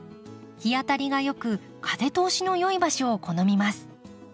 日当たりが良く風通しの良い場所を好みます。